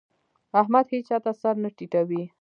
احمد هيچا ته سر نه ټيټوي.